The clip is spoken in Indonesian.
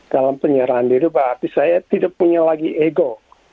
dalam penyerahan diri berarti saya tidak punya lagi ego